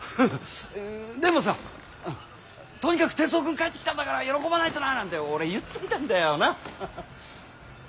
でもさ「とにかく徹生君帰ってきたんだから喜ばないとな」なんて俺言っといたんだよな。